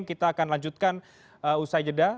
kita akan lanjutkan usai jeda